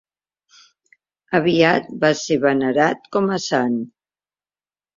Aviat va ésser venerat com a sant.